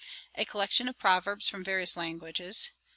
'A Collection of Proverbs from various languages.